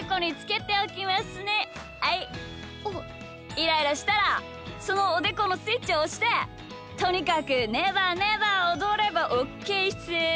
イライラしたらそのおでこのスイッチをおしてとにかくねばねばおどればオッケーっす。